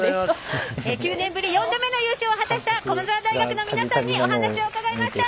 ９年ぶり４度目の優勝を果たした駒澤大学の皆さんにお話を伺いました。